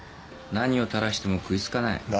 何を垂らしても食い付かない。